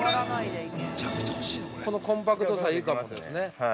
このコンパクトさいいかもですね。